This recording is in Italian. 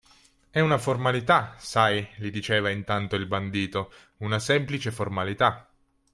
È una formalità, sai, gli diceva intanto il bandito, una semplice formalità.